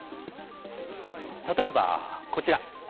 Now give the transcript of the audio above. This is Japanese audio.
例えば、こちら。